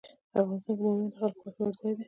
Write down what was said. افغانستان کې بامیان د خلکو د خوښې وړ ځای دی.